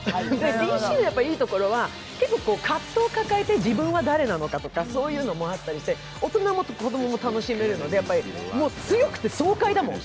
ＤＣのいいところは結構、葛藤を抱えて自分は誰なのかとか、そういうのもあったりして、大人も子供も楽しめるのでもう強くて爽快だもん。